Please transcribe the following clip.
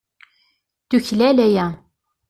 Tuklal aya.